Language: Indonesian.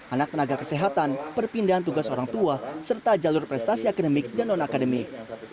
anak tenaga kesehatan perpindahan tugas orang tua serta jalur prestasi akademik dan non akademik